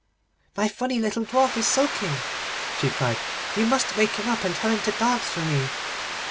'My funny little dwarf is sulking,' she cried, 'you must wake him up, and tell him to dance for me.